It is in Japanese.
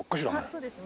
そうですね。